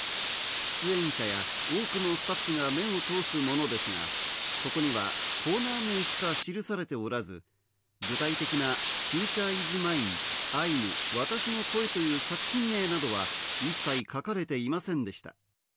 出演者や多くのスタッフが目を通すものですが、そこにはコーナー名しか記されておらず、具体的な『ＦｕｔｕｒｅｉｓＭＩＮＥ−アイヌ、私の声−』という作品名などは一切書かれていませんでした。